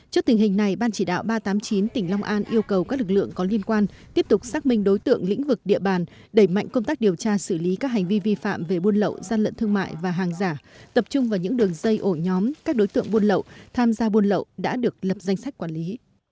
trước tình hình này ban chỉ đạo ba trăm tám mươi chín tỉnh long an yêu cầu các lực lượng có liên quan tiếp tục xác minh đối tượng lĩnh vực địa bàn đẩy mạnh công tác điều tra xử lý các hành vi vi phạm về buôn lậu gian lận thương mại và hàng giả tập trung vào những đường dây ổ nhóm các đối tượng buôn lậu tham gia buôn lậu đã được lập danh sách quản lý